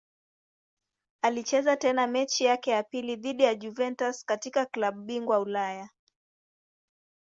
Alicheza tena mechi yake ya pili dhidi ya Juventus katika klabu bingwa Ulaya.